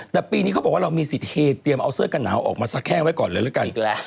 แต่ปีนี้เขาบอกว่าเรามีสิทธิเฮเตรียมเอาเสื้อกันหนาวออกมาสักแค่ไว้ก่อนเลยแล้วกัน